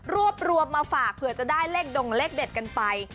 รวบรวมมาฝากเผื่อจะได้เลขดงเลขเด็ดกันไป